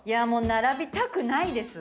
並びたくないです。